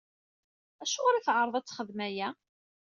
Acuɣer i teɛreḍ ad texdem aya?